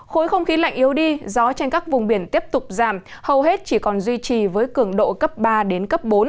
khối không khí lạnh yếu đi gió trên các vùng biển tiếp tục giảm hầu hết chỉ còn duy trì với cường độ cấp ba đến cấp bốn